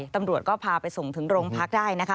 ตำรวจก็พาไปส่งถึงโรงพักได้นะคะ